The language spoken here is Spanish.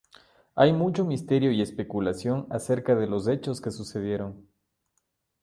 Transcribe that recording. Hay mucho misterio y especulación acerca de los hechos que sucedieron.